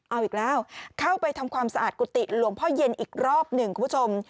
เอาอีกแล้วเข้าไปทำความสะอาดกุฏิหลวงพ่อเย็นอีกรอบหนึ่งคุณผู้ชม